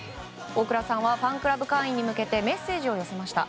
大倉さんはファンクラブ会員に向けてメッセージを寄せました。